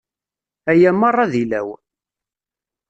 Aya merra d ilaw?